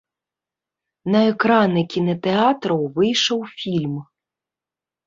На экраны кінатэатраў выйшаў фільм.